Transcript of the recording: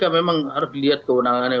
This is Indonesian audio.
memang harus dilihat kewenangannya